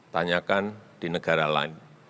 tanyakan di negara lain